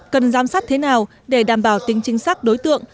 cần giám sát thế nào để đảm bảo tính chính xác đối tượng